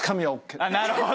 なるほど。